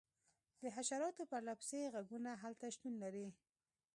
د حشراتو پرله پسې غږونه هلته شتون لري